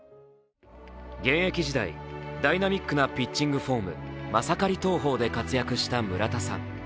現役時代、ダイナミックなピッチングフォームマサカリ投法で活躍した村田さん。